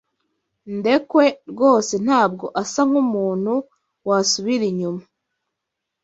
Ndekwe rwose ntabwo asa nkumuntu wasubira inyuma.